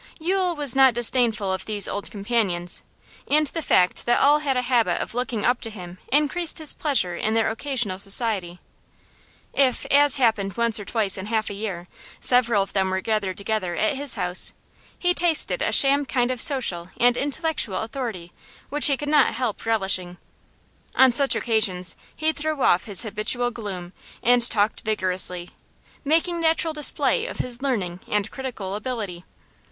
Yule was not disdainful of these old companions, and the fact that all had a habit of looking up to him increased his pleasure in their occasional society. If, as happened once or twice in half a year, several of them were gathered together at his house, he tasted a sham kind of social and intellectual authority which he could not help relishing. On such occasions he threw off his habitual gloom and talked vigorously, making natural display of his learning and critical ability.